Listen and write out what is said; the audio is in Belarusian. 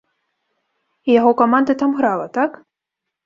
І яго каманда там грала, так?